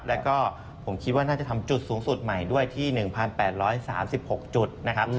แล้วก็ผมคิดว่าน่าจะทำจุดสูงสุดใหม่ด้วยที่๑๘๓๖จุดนะครับ